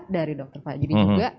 dari dr fajri juga